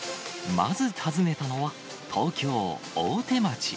まず訪ねたのは、東京・大手町。